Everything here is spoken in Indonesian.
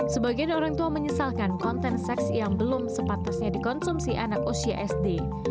sebagian orang tua menyesalkan konten seks yang belum sepatasnya dikonsumsi anak usia sd